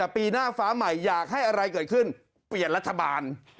ปีหน้าฟ้าใหม่อยากให้อะไรเกิดขึ้นเปลี่ยนรัฐบาล